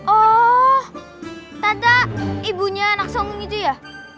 oh tanda ibunya anak songong itu ya